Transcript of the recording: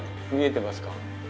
見えてますか？